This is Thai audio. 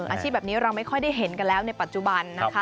อาชีพแบบนี้เราไม่ค่อยได้เห็นกันแล้วในปัจจุบันนะคะ